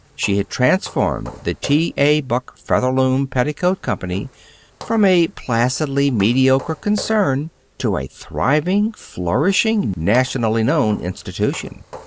She had transformed the T. A. Buck Featherloom Petticoat Company from a placidly mediocre concern to a thriving, flourishing, nationally known institution.